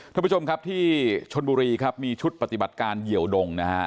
ท่านผู้ชมครับที่ชนบุรีครับมีชุดปฏิบัติการเหยียวดงนะฮะ